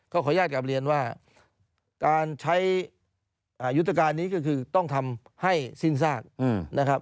ขออนุญาตกลับเรียนว่าการใช้ยุทธการนี้ก็คือต้องทำให้สิ้นซากนะครับ